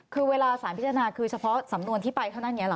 คือเวลาสารพิจารณาคือเฉพาะสำนวนที่ไปเท่านั้นอย่างนี้หรอ